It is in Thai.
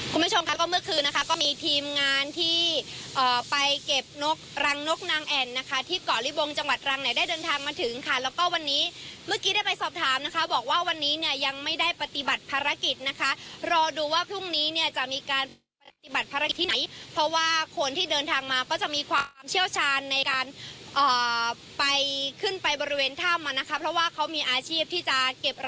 คุณผู้ชมค่ะก็เมื่อคืนนะคะก็มีทีมงานที่ไปเก็บนกรังนกนางแอ่นนะคะที่เกาะลิบงจังหวัดรังไหนได้เดินทางมาถึงค่ะแล้วก็วันนี้เมื่อกี้ได้ไปสอบถามนะคะบอกว่าวันนี้เนี่ยยังไม่ได้ปฏิบัติภารกิจนะคะรอดูว่าพรุ่งนี้เนี่ยจะมีการปฏิบัติภารกิจที่ไหนเพราะว่าคนที่เดินทางมาก็จะมีความเชี่ยวชาญในการไปขึ้นไปบริเวณถ้ำอ่ะนะคะเพราะว่าเขามีอาชีพที่จะเก็บ